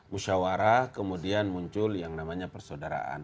musyawarah kemudian muncul yang namanya persaudaraan